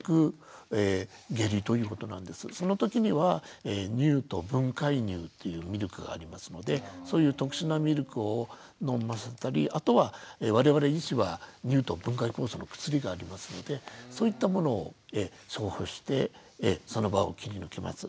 その時には乳糖分解乳というミルクがありますのでそういう特殊なミルクを飲ませたりあとは我々医師は乳糖分解酵素の薬がありますのでそういったものを処方してその場を切り抜けます。